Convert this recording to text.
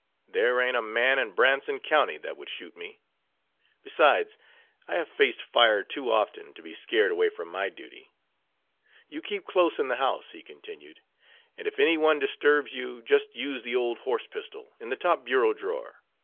There ain't a man in Branson County that would shoot me. Besides, I have faced fire too often to be scared away from my duty. You keep close in the house," he continued, "and if any one disturbs you just use the old horse pistol in the top bureau drawer.